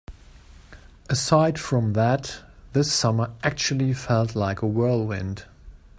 Aside from that, this summer actually felt like a whirlwind.